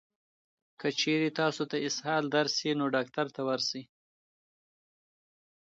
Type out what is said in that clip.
که چېرې تاسو ته اسهال درشي، نو ډاکټر ته ورشئ.